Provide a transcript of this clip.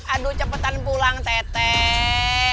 aduh cepetan pulang teteh